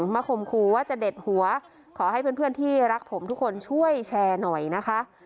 ข่มขู่ว่าจะเด็ดหัวขอให้เพื่อนที่รักผมทุกคนช่วยแชร์หน่อยนะคะ